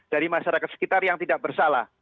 dari masyarakat sekitar yang tidak bersalah